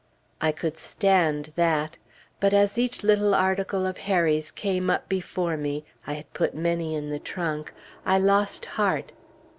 I could stand that. But as each little article of Harry's came up before me (I had put many in the trunk), I lost heart....